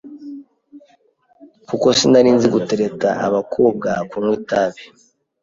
kuko sinarinzi gutereta abakobwa, kunywa itabi